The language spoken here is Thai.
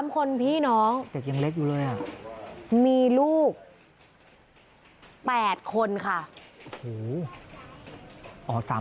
๓คนพี่น้องมีลูก๘คนค่ะ